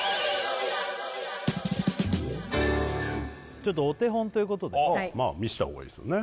ちょっとお手本ということでまあ見した方がいいですよね